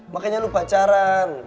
makanya lu pacaran